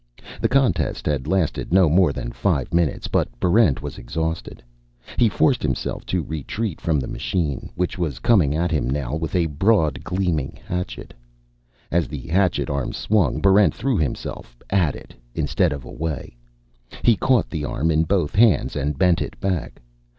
The contest had lasted no more than five minutes, but Barrent was exhausted. He forced himself to retreat from the machine, which was coming at him now with a broad, gleaming hatchet. As the hatchet arm swung, Barrent threw himself at it instead of away. He caught the arm in both hands and bent it back.